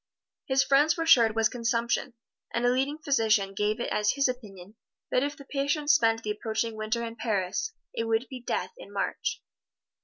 His friends were sure it was consumption, and a leading physician gave it as his opinion that if the patient spent the approaching Winter in Paris, it would be death in March.